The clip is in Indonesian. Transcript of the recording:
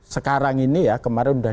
sekarang ini ya kemarin sudah